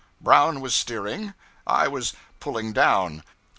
Brown was steering; I was 'pulling down.'